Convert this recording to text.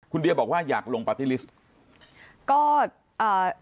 คุณเดียบอกว่าอยากลงปาร์ตี้ลิสต์